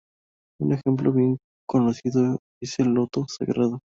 Un ejemplo bien conocido es el Loto Sagrado.